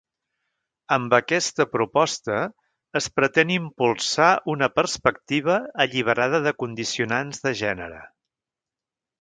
Amb aquesta proposta es pretén impulsar una perspectiva alliberada de condicionants de gènere.